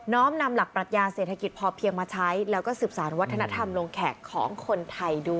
้อมนำหลักปรัชญาเศรษฐกิจพอเพียงมาใช้แล้วก็สืบสารวัฒนธรรมลงแขกของคนไทยด้วย